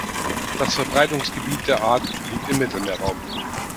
Das Verbreitungsgebiet der Art liegt im Mittelmeerraum.